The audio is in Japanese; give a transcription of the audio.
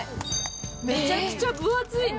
めちゃくちゃ分厚いね。